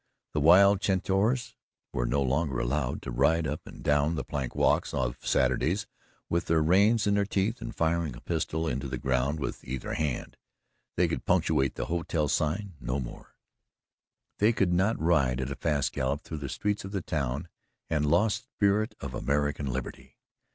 The wild centaurs were no longer allowed to ride up and down the plank walks of Saturdays with their reins in their teeth and firing a pistol into the ground with either hand; they could punctuate the hotel sign no more; they could not ride at a fast gallop through the streets of the town, and, Lost Spirit of American Liberty!